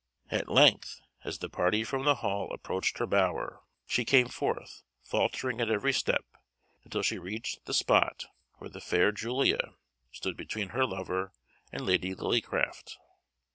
At length, as the party from the Hall approached her bower, she came forth, faltering at every step, until she reached the spot where the fair Julia stood between her lover and Lady Lillycraft.